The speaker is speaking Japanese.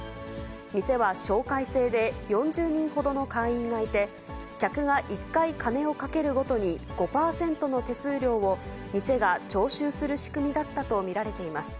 店は紹介制で、４０人ほどの会員がいて、客が１回金を賭けるごとに、５％の手数料を店が徴収する仕組みだったと見られています。